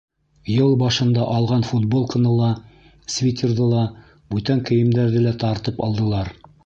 Йыл башында алған футболканы ла, свитерҙы ла, бүтән кейемдәрҙе лә тартып алдылар...